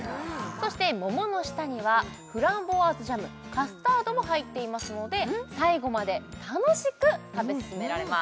そして桃の下にはフランボワーズジャムカスタードも入っていますので最後まで楽しく食べ進められます